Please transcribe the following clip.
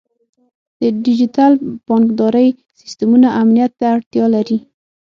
د ډیجیټل بانکدارۍ سیستمونه امنیت ته اړتیا لري.